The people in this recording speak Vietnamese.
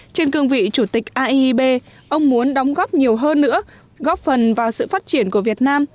trên cương vị chủ tịch aib ông muốn đóng góp nhiều hơn nữa góp phần vào sự phát triển của việt nam